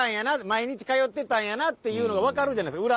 毎日通ってたんやなっていうのが分かるじゃないですか